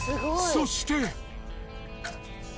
そして。